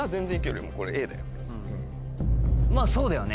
まぁそうだよね。